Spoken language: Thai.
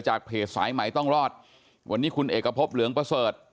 เพจสายใหม่ต้องรอดวันนี้คุณเอกพบเหลืองประเสริฐ